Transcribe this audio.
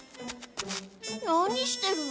何してるの？